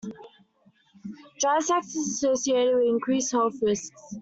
Dry sex is associated with increased health risks.